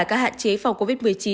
các hạn chế phòng covid một mươi chín